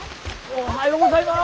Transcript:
おはようございます。